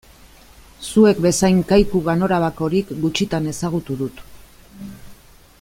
Zuek bezain kaiku ganorabakorik gutxitan ezagutu dut.